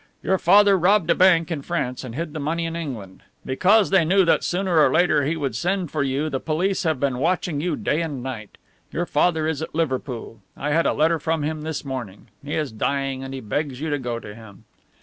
"Your father robbed a bank in France and hid the money in England. Because they knew that sooner or later he would send for you the police have been watching you day and night. Your father is at Liverpool. I had a letter from him this morning. He is dying and he begs you to go to him."